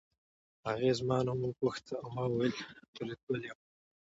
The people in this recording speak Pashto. هغې زما نوم وپوښت او ما وویل فریدګل یم